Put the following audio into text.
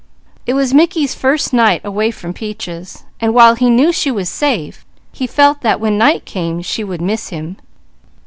It was Mickey's first night away from Peaches, and while he knew she was safe, he felt that when night came she would miss him.